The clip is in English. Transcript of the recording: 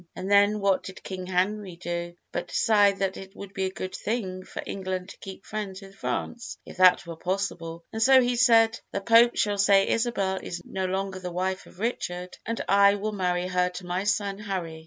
And then what did King Henry do but decide that it would be a good thing for England to keep friends with France, if that were possible; and so he said, 'The Pope shall say Isabel is no longer the wife of Richard, and I will marry her to my son Harry.'